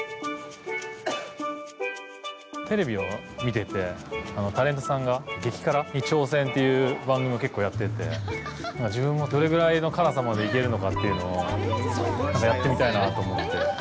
テレビを見てて、タレントさんが激辛に挑戦という番組を結構やってて、自分もどれぐらいの辛さまで行けるのかというのをやってみたいなぁと思って。